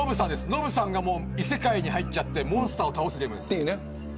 ノブさんが異世界に入ってモンスターを倒すゲームです。